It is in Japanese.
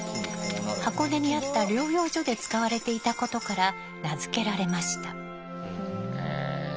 箱根にあった療養所で使われていたことから名付けられました。